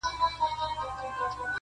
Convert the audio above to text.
• د هغه به څه سلا څه مشوره وي -